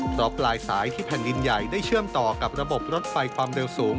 เพราะปลายสายที่แผ่นดินใหญ่ได้เชื่อมต่อกับระบบรถไฟความเร็วสูง